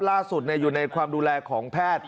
อยู่ในความดูแลของแพทย์